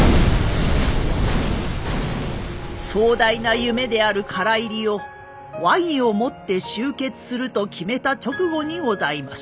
壮大な夢である唐入りを和議をもって終結すると決めた直後にございました。